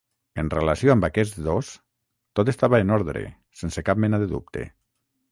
En relació amb aquests dos, tot estava en ordre, sense cap mena de dubte.